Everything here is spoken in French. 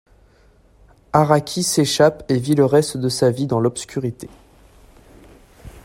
Araki s'échappe et vit le reste de sa vie dans l'obscurité.